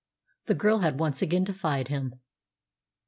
The girl had once again defied him.